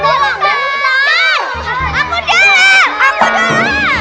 bapak aku sudah selesai